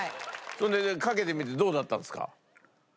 それでかけてみてどうだったんですか？